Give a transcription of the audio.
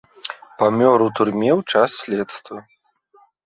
Памёр у турме ў час следства.